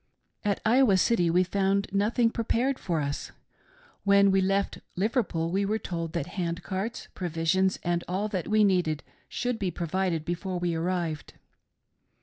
" At Iowa City we found nothing prepared for us. When we left Liverpool we were told that hand carts, provisions, and all that we needed should be provided before we arrived.